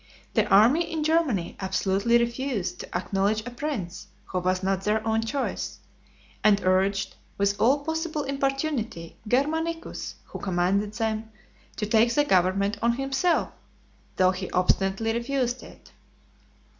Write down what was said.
The army in Germany absolutely refused to acknowledge a prince who was not their own choice; and urged, with all possible importunity, Germanicus , who commanded them, to take the government on himself, though he obstinately refused it.